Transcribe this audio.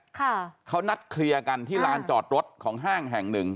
ค่ะเขานัดเคลียร์กันที่ลานจอดรถของห้างแห่งหนึ่ง